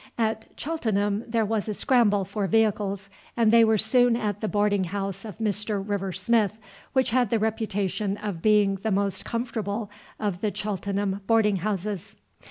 At Cheltenham there was a scramble for vehicles, and they were soon at the boarding house of Mr. River Smith, which had the reputation of being the most comfortable of the Cheltenham boarding houses.